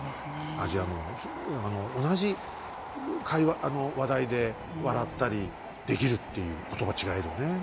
アジアのあの同じ会話話題で笑ったりできるっていう言葉違えどね。